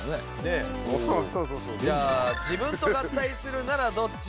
じゃあ自分と合体するならどっち？